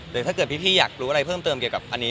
เดี๋ยวถ้าเกิดพี่อยากรู้อะไรเพิ่มเติมเกี่ยวกับอันนี้